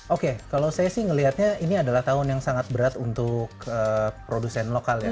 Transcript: oke kalau saya sih melihatnya ini adalah tahun yang sangat berat untuk produsen lokal ya